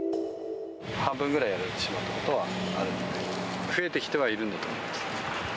半分ぐらいやられてしまったことがあるので、増えてきてはいるんだと思います。